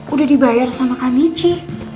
udah dibayar sama kak michi